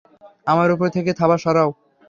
আমার উপর থেকে থাবা সরাও!